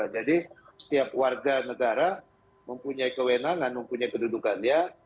jadi setiap warga negara mempunyai kewenangan mempunyai kedudukannya